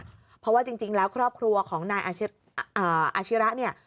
เพราะว่าจริงแล้วครอบครัวของนายอาชิระเนี่ย